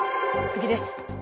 次です。